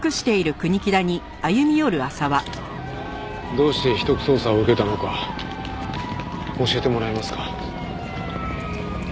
どうして秘匿捜査を受けたのか教えてもらえますか？